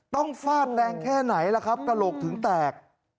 ต้องฝาดแรงแค่ไหนครับกระหลกถึงแตก